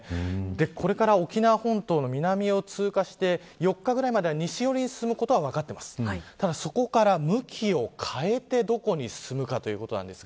これから、沖縄本島の南を通過して、４日くらいまでは西よりに進むことは分かっていますがその後、向きを変えてどこに進むかというところです。